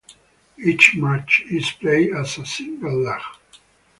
Each match is played as a single leg.